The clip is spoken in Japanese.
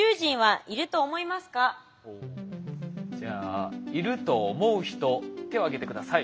じゃあいると思う人手を挙げて下さい。